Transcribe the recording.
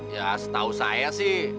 ya setahu saya sih